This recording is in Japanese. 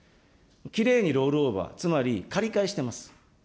きれいにロールオーバー、つまり借り換えしています。